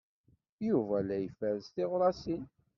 Yuba la iferres tiɣrasin.